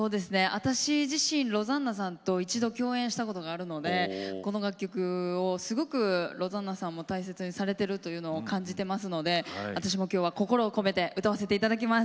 私自身ロザンナさんと一度共演したことがあるのでこの楽曲をすごくロザンナさんも大切にされてるというのを感じてますので私も今日は心を込めて歌わせて頂きます。